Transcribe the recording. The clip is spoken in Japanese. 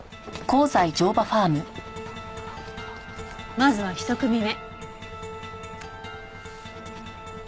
まずは１組目。